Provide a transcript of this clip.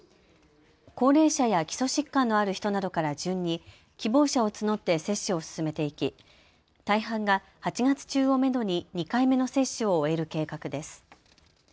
高齢者や基礎疾患のある人などから順に希望者を募って接種を進めていき大半が８月中をめどに２回目の接種を終える計画です。